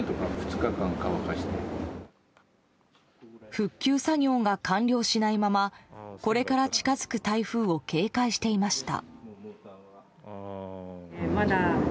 復旧作業が完了しないままこれから近づく台風を警戒していました。